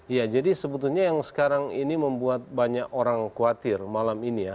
ya jadi sebetulnya yang sekarang ini membuat banyak orang khawatir malam ini ya